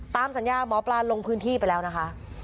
ตามสัญญาหมอปลาลงพื้นที่ไปแล้วนะคะ